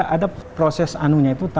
ada proses anu nya itu